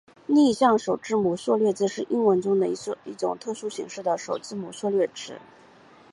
逆向首字母缩略词是英语中一种特殊形式的首字母缩略词。